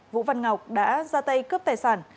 vũ văn ngọc đã ra tay cướp tài sản